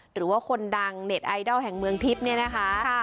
หรือว่าคนดังเน็ตไอดอลแห่งเมืองทิพย์เนี่ยนะคะ